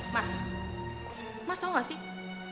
mas mas tau gak sih